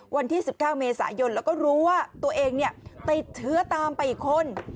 วันที่๑๙เมษายนแล้วก็รู้ว่าตัวเองติดเชื้อตามไปอีกคน